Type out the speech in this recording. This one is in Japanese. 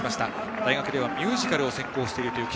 大学ではミュージカルを専攻。